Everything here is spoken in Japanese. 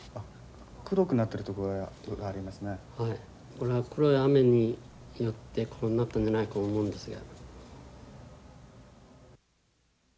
これは黒い雨によってこうなったんじゃないか思うんですが。